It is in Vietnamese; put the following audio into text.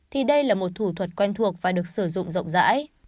thì đây là một thủ thuật quen thuộc và được sử dụng rộng rãi